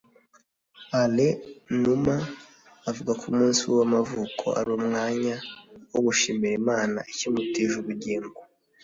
Alain Numa avuga ko umunsi we w’amavuko ari umwanya wo gushimira Imana ikimutije ubugingo